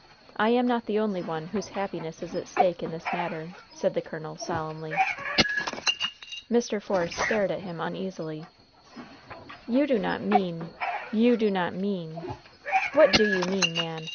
I am not the only one whose happiness is at stake in this matter," said the colonel, solemnly. Mr. Force stared at him uneasily. "You do not mean you do not mean What do you mean, man?"